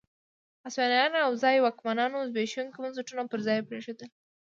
هسپانويانو او ځايي واکمنانو زبېښونکي بنسټونه پر ځای پرېښودل.